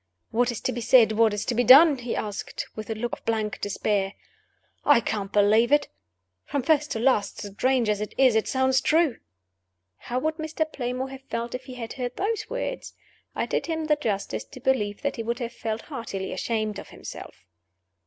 "What is to be said? what is to be done?" he asked, with a look of blank despair. "I can't disbelieve it. From first to last, strange as it is, it sounds true." (How would Mr. Playmore have felt if he had heard those words? I did him the justice to believe that he would have felt heartily ashamed of himself.)